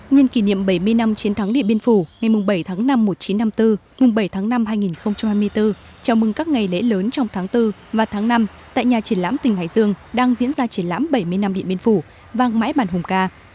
nhân kỷ niệm bảy mươi năm chiến thắng điện biên phủ ngày bảy tháng năm một nghìn chín trăm năm mươi bốn bảy tháng năm hai nghìn hai mươi bốn chào mừng các ngày lễ lớn trong tháng bốn và tháng năm tại nhà triển lãm tỉnh hải dương đang diễn ra triển lãm bảy mươi năm địa biên phủ vang mãi bản hùng ca